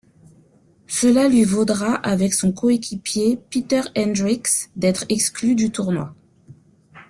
Cela lui vaudra avec son coéquipier Pieter Hendriks d'être exclu du tournoi.